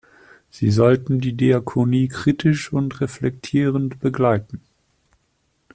Sie sollten die Diakonie kritisch und reflektierend begleiten.